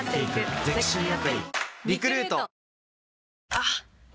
あっ！